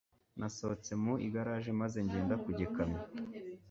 Nasohotse mu igaraje maze ngenda ku gikamyo